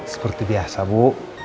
seperti biasa bu